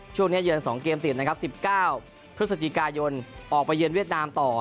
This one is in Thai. เยือน๒เกมติดนะครับ๑๙พฤศจิกายนออกไปเยือนเวียดนามต่อ